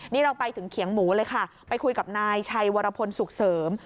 นี่เราไปถึงเขียงหมูเลยค่ะไปคุยกับนายชัยวรพลสุขเสริม